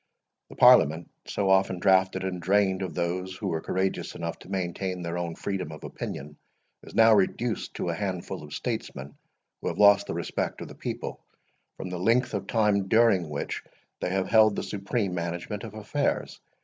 The Parliament, so often draughted and drained of those who were courageous enough to maintain their own freedom of opinion, is now reduced to a handful of statesmen, who have lost the respect of the people, from the length of time during which they have held the supreme management of affairs.